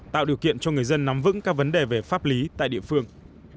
tạo điều kiện cho người dân nắm vững các vấn đề về pháp lý tại địa phương